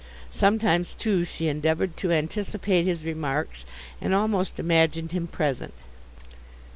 Sometimes too she endeavoured to anticipate his remarks, and almost imagined him present.